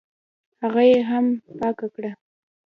هغه یې هم پاکه کړه.